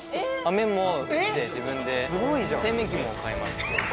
麺も打って自分で製麺機も買いました・